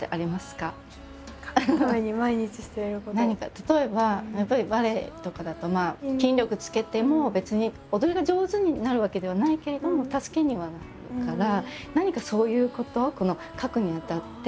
例えばやっぱりバレエとかだと筋力つけても別に踊りが上手になるわけではないけれども助けにはなるから何かそういうこと書くにあたって。